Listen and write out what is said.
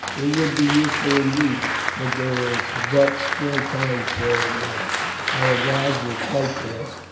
"It would be useful indeed, but there is but scant time for it now. Our gods will fight for us.